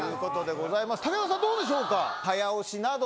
武田さんどうでしょうか？